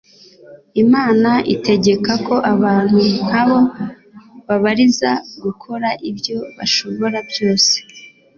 Imana itegeka ko abantu nk'abo, babariza gukora ibyo bashobora byose